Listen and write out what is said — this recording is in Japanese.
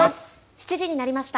７時になりました。